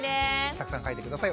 たくさん書いて下さい。